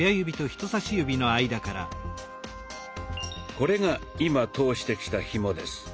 これが今通してきたひもです。